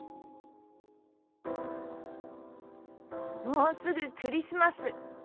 もうすぐクリスマス。